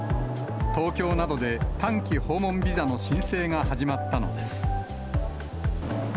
東京などで短期訪問ビザの申請が始まったのです。